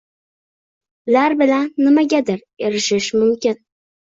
Ular bilan nimagadir erishish mumkin.